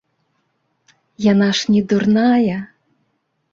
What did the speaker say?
Яна ж не дурная.